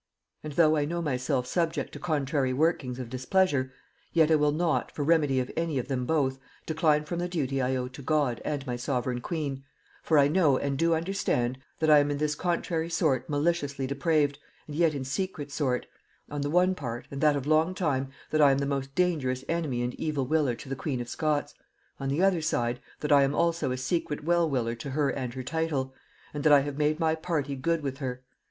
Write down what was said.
And though I know myself subject to contrary workings of displeasure, yet I will not, for remedy of any of them both, decline from the duty I owe to God and my sovereign queen; for I know, and do understand, that I am in this contrary sort maliciously depraved, and yet in secret sort; on the one part, and that of long time, that I am the most dangerous enemy and evil willer to the queen of Scots; on the other side, that I am also a secret well willer to her and her title; and that I have made my party good with her.